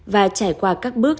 và trải qua các bước